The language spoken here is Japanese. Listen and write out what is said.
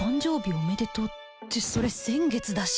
おめでとうってそれ先月だし